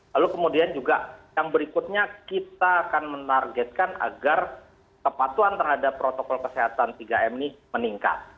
lalu kemudian juga yang berikutnya kita akan menargetkan agar kepatuhan terhadap protokol kesehatan tiga m ini meningkat